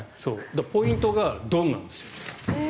ポイントがドンなんです。